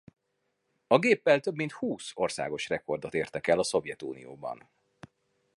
A géppel több mint húsz országos rekordot értek el a Szovjetunióban.